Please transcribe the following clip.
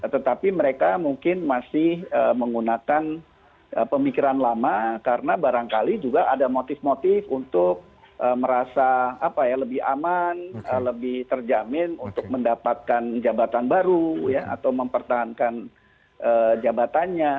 tetapi mereka mungkin masih menggunakan pemikiran lama karena barangkali juga ada motif motif untuk merasa lebih aman lebih terjamin untuk mendapatkan jabatan baru atau mempertahankan jabatannya